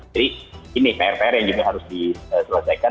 jadi ini pr pr yang juga harus diselesaikan